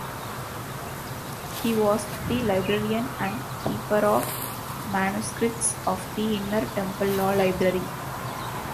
He was the "Librarian and Keeper of Manuscripts" of the Inner Temple Law Library.